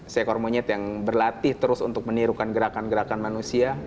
seekor monyet yang berlatih terus untuk menirukan gerakan gerakan manusia